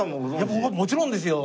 もちろんですよ！